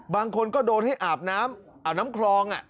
บางคนก็โดนให้อาบน้ำอาบน้ำคลอง